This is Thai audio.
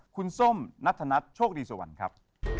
คุณส้มนัทธนัทโชคดีสวรรค์ครับ